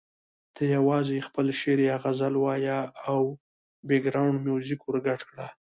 ته یوازې خپل شعر یا غزل وایه او بېکګراونډ میوزیک ورګډ کړه.